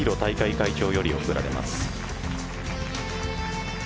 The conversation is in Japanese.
会長より贈られます。